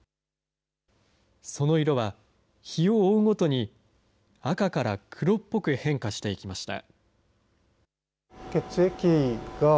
その色は日を追うごとに、赤から黒っぽく変化していきました。